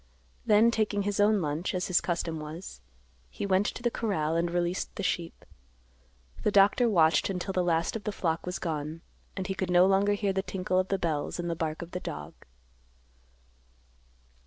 Then, taking his own lunch, as his custom was, he went to the corral and released the sheep. The doctor watched until the last of the flock was gone, and he could no longer hear the tinkle of the bells and the bark of the dog.